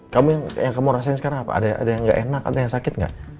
kamu yang mau rasain sekarang apa ada yang enggak enak ada yang sakit enggak